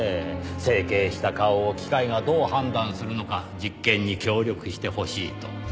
整形した顔を機械がどう判断するのか実験に協力してほしいと。